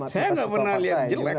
saya nggak pernah lihat jelek